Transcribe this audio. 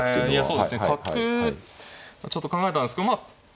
そうですね角ちょっと考えたんですけどまあ